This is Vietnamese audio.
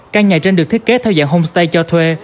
căn nhà trên được thiết kế theo dạng homestay cho thuê